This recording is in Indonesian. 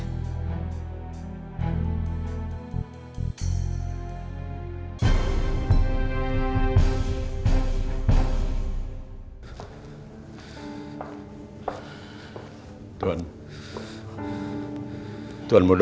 aku sudah berusaha untuk mengambil alih